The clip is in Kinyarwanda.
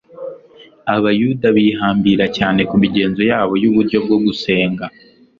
Abayuda bihambira cyane ku migenzo yabo y'uburyo bwo gusenga.